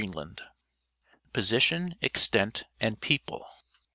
NEWFOUND LAND Position, Extent, and People.